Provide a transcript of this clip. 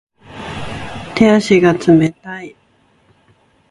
手足が冷たい